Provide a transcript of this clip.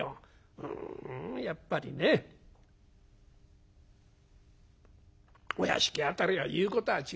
ふんやっぱりねお屋敷辺りは言うことが違いますよ。